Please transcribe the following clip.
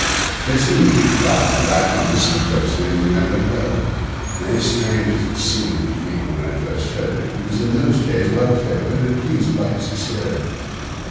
They soon picked him out as a lad who listened closely and remembered well; nay, strange as it seemed to me when I first heard it, he was in those days well favoured, and pleased by his exterior.